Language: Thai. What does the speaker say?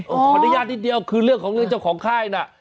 ขออนุญาตนิดเดียวคือเรื่องของเรื่องเจ้าของค่ายน่ะ